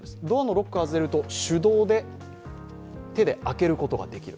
ロックが外れると手動で、手で開けることができる。